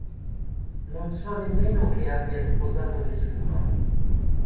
Non so nemmeno che abbia sposato nessuno.